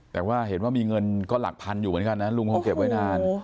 แต่ว่าเห็นว่ามีเงินก็หลักพันอยู่เหมือนกันนะลุงคงเก็บไว้นาน